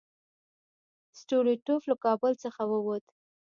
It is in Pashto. سټولیټوف له کابل څخه ووت.